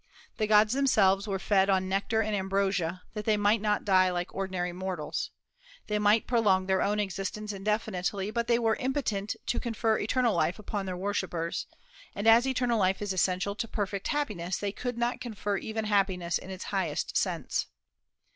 The gods themselves were fed on nectar and ambrosia, that they might not die like ordinary mortals. They might prolong their own existence indefinitely, but they were impotent to confer eternal life upon their worshippers; and as eternal life is essential to perfect happiness, they could not confer even happiness in its highest sense.